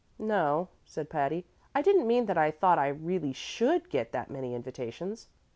"No," said Patty; "I didn't mean that I thought I really should get that many invitations.